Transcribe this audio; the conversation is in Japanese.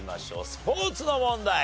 スポーツの問題。